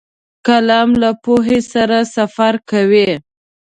قلم له پوهې سره سفر کوي